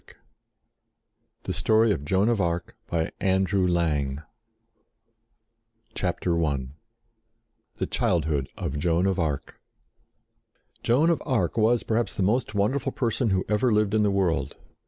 ioz THE STORY OF JOAN OF ARC CHAPTER I THE CHILDHOOD OF JOAN OF ARC JOAN OF ARC was perhaps the most wonderful person who ever lived in the world.